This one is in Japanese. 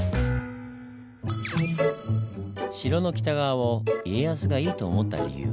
城の北側を家康がイイと思った理由。